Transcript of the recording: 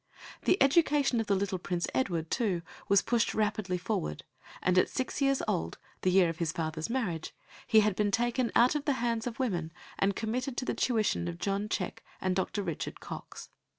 The education of the little Prince Edward too was pushed rapidly forward, and at six years old, the year of his father's marriage, he had been taken out of the hands of women and committed to the tuition of John Cheke and Dr. Richard Cox.